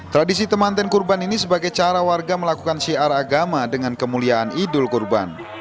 tradisi temanten kurban ini sebagai cara warga melakukan syiar agama dengan kemuliaan idul kurban